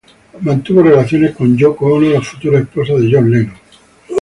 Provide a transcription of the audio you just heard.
Mantuvo relaciones con Yōko Ono, la futura esposa de John Lennon.